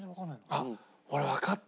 あっ俺わかった。